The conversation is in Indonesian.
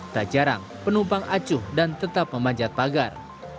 tak jarang penumpang acuh dan tetap memanjat pagar